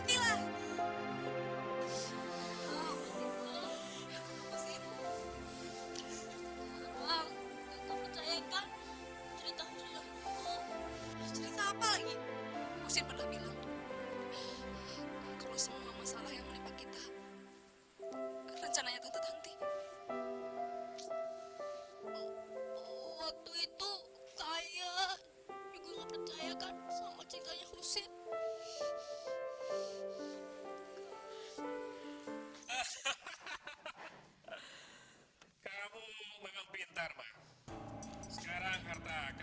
terima kasih ya allah walaupun keadaannya seperti ini kami masih bisa tertawa